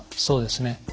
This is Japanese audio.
そうですね。